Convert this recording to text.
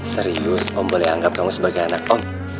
serius om boleh anggap kamu sebagai anak om